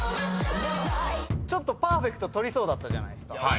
ちょっとパーフェクト取りそうだったじゃないですか。